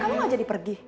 kamu mau jadi pergi